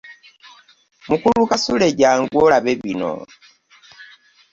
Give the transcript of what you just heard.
Mukulu Kasule jangu olabe bino.